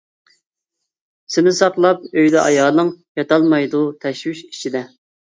سېنى ساقلاپ ئۆيدە ئايالىڭ، ياتالمايدۇ تەشۋىش ئىچىدە.